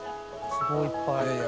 すごいいっぱい。